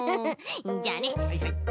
じゃあね。